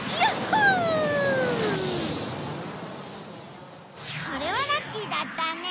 それはラッキーだったね。